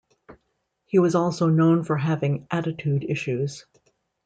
He was also known for having attitude issues.